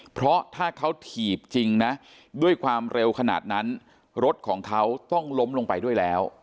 เพราะถ้าเขาถีบจริงนะด้วยความเร็วขนาดนั้นรถของเขาต้องล้มลงไปด้วยแล้ว